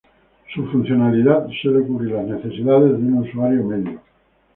Su funcionalidad suele cubrir las necesidades de un usuario medio.